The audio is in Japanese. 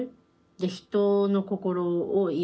で人の心を癒す。